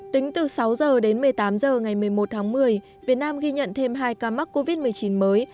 tính từ sáu h đến một mươi tám h ngày một mươi một tháng một mươi việt nam ghi nhận thêm hai ca mắc covid một mươi chín mới